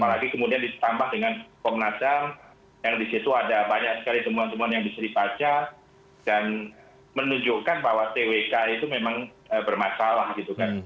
apalagi kemudian ditambah dengan komnas ham yang disitu ada banyak sekali temuan temuan yang bisa dibaca dan menunjukkan bahwa twk itu memang bermasalah gitu kan